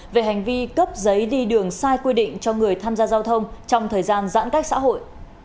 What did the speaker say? về hành vi cấp giấy đi đường sai quy định cho người tham gia giao thông trong thời gian giãn cách xã hội